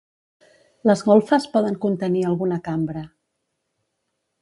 Les golfes poden contenir alguna cambra.